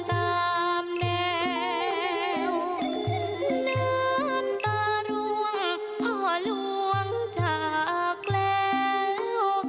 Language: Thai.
ตามแนวน้ำตาร่วงพ่อหลวงจากแล้ว